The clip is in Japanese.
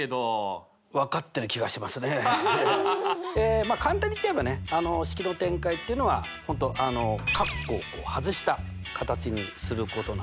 まあ簡単に言っちゃえばね式の展開っていうのは本当あのかっこを外した形にすることなのね。